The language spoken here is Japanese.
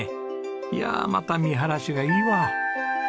いやあまた見晴らしがいいわ。